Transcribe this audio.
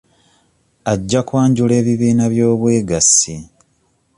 Ajja kwanjula ebibiina by'obwegassi.